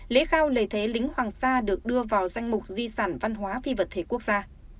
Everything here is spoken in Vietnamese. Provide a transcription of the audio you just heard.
lễ khao lễ thế lính hoàng sa được đưa vào danh mục di sản văn hóa phi vật thể quốc gia